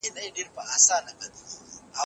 ته ورځه زه در پسې یم